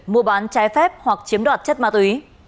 mua bán trái phép hoặc chiếm đoạt chất ma túy